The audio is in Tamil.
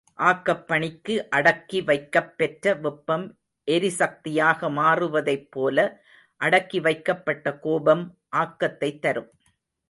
ஆக்கப்பணிக்கு அடக்கி வைக்கப்பெற்ற வெப்பம் எரிசக்தியாக மாறுவதைப்போல, அடக்கி வைக்கப்பட்ட கோபம் ஆக்கத்தைத் தரும்.